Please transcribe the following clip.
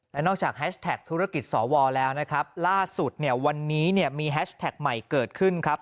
และนอกจากแฮชแท็กธุรกิจสวแล้วนะครับล่าสุดเนี่ยวันนี้เนี่ยมีแฮชแท็กใหม่เกิดขึ้นครับ